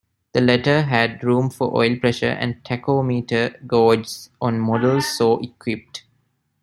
The latter had room for oil pressure and tachometer gauges on models so equipped.